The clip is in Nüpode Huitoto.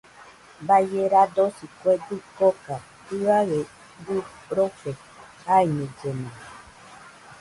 Baie radosi kue dɨkoka, jɨaɨe dɨrofe jaiñellena